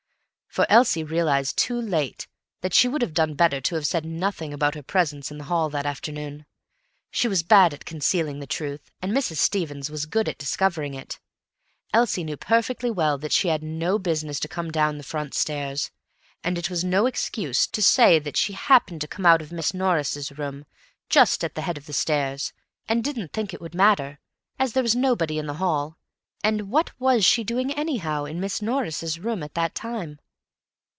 For Elsie realized too late that she would have done better to have said nothing about her presence in the hall that afternoon. She was bad at concealing the truth and Mrs. Stevens was good at discovering it. Elsie knew perfectly well that she had no business to come down the front stairs, and it was no excuse to say that she happened to come out of Miss Norris' room just at the head of the stairs, and didn't think it would matter, as there was nobody in the hall, and what was she doing anyhow in Miss Norris' room at that time?